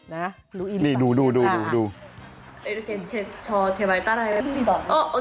นะลุอีหรือเปล่า